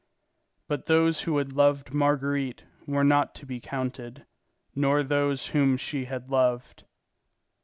But those who had loved Marguerite were not to be counted, nor those whom she had loved.